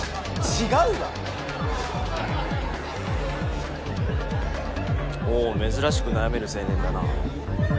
違うわおぉ珍しく悩める青年だな